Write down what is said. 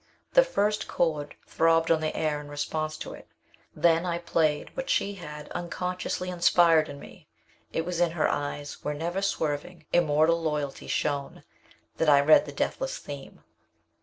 The first chord throbbed on the air in response to it. Then I played what she had unconsciously inspired in me. It was in her eyes, where never swerving, immortal loyalty shone, that I read the deathless theme.